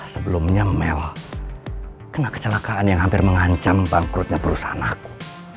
sebelumnya mel kena kecelakaan yang hampir mengancam bangkrutnya perusahaan aku